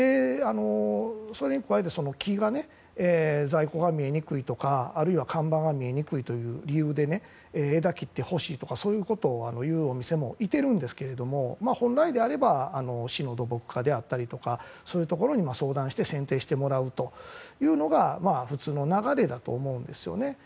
それに加えて、木が在庫が見えにくいとかあるいは看板が見えにくいという理由で枝を切ってほしいということを言うお店もいてるんですが本来であれば市の土木課であったりとかに相談して剪定してもらうというのが普通の流れだと思うんですよね。